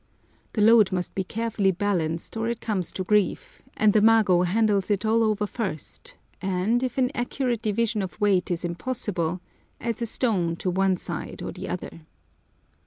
The load must be carefully balanced or it comes to grief, and the mago handles it all over first, and, if an accurate division of weight is impossible, adds a stone to one side or the other.